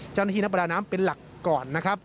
เจ้าหน้าที่นับประดาน้ำเป็นหลักก่อน